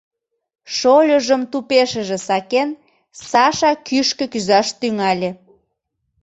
Шольыжым тупешыже сакен, Саша кӱшкӧ кӱзаш тӱҥале.